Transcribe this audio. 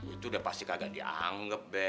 itu udah pasti kagak dianggap deh